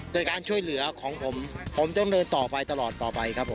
โดยการช่วยเหลือของผมผมต้องเดินต่อไปตลอดต่อไปครับผม